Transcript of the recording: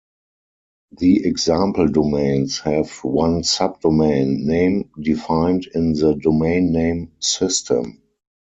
The example domains have one subdomain name defined in the Domain Name System.